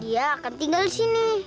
dia akan tinggal disini